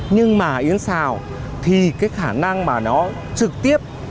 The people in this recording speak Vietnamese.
nhưng mà yến xào thì cái khả năng mà nó trực tiếp